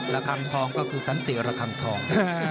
คังทองก็คือสันติระคังทอง